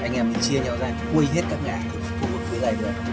anh em đi chia nhau ra quây hết các ngãi khu vực phía dài rồi